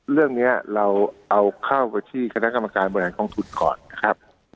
เรื่องนี้เราเอาเข้าไปที่คณะกรรมการบริหารกองทุนก่อนนะครับ